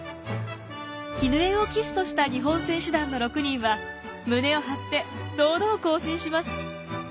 絹枝を旗手とした日本選手団の６人は胸を張って堂々行進します。